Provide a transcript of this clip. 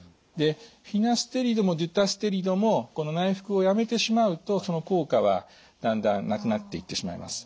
フィナステリドもデュタステリドもこの内服をやめてしまうとその効果はだんだんなくなっていってしまいます。